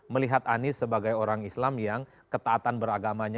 melihat anies sebagai orang islam yang ketaatan beragamanya